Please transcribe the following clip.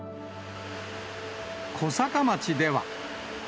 小坂町では。